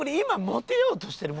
モテようとしてない？